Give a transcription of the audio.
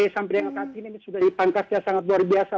sampai dengan saat ini sudah dipangkasnya sangat luar biasa